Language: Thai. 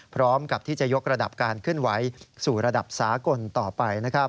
พร้อมกับที่จะยกระดับการเคลื่อนไหวสู่ระดับสากลต่อไป